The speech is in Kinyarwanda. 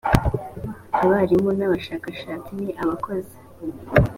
abarimu n abashakashatsi ni abakozi